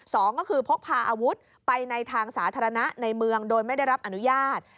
สองก็คือพกพาอาวุธไปในทางสาธารณะในเมืองโดยไม่ได้รับอนุญาต